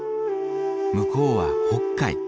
向こうは北海。